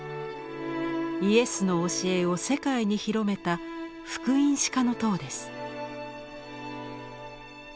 イエスの教えを世界に広めた福音史家の塔です。